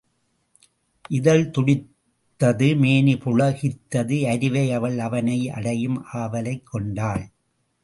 இதழ் துடித்தது மேனி புள கித்தது அரிவை அவள் அவனை அடையும் ஆவலைக் கொண்டாள்.